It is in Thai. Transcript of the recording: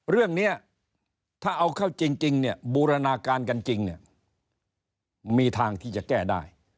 เรื่องนี้ถ้าเอาเข้าจริงเนี่ยบูรณาการกันจริงเนี่ยมีทางที่จะแก้ได้